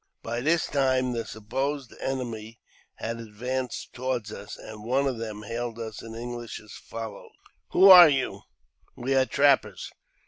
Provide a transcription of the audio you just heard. By this time the supposed enemy had advanced towards us, and one of them hailed us in English as follows : "Who are you?" " We are trappers."